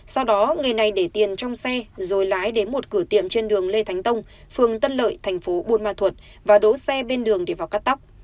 sau đó người này để tiền trong xe rồi lái đến một cửa tiệm trên đường lê thánh tông phường tân lợi thành phố buôn ma thuột và đỗ xe bên đường để vào cắt tóc